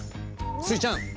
スイちゃん